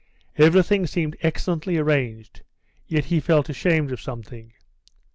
Everything seemed excellently arranged, yet he felt ashamed of something.